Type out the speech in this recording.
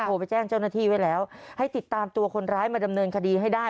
ไปแจ้งเจ้าหน้าที่ไว้แล้วให้ติดตามตัวคนร้ายมาดำเนินคดีให้ได้